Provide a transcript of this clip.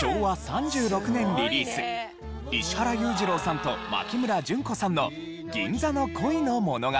昭和３６年リリース石原裕次郎さんと牧村旬子さんの『銀座の恋の物語』。